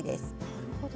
なるほど。